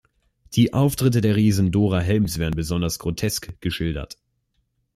Die Auftritte der Riesin Dora Helms werden besonders grotesk geschildert.